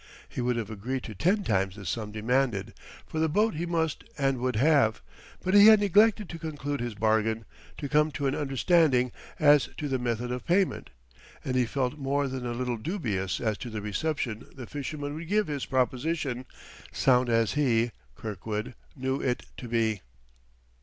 He would have agreed to ten times the sum demanded; for the boat he must and would have. But he had neglected to conclude his bargain, to come to an understanding as to the method of payment; and he felt more than a little dubious as to the reception the fisherman would give his proposition, sound as he, Kirkwood, knew it to be.